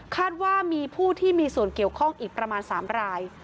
ว่ามีผู้ที่มีส่วนเกี่ยวข้องอีกประมาณ๓ราย